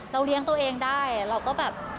เลี้ยงตัวเองได้เราก็แบบ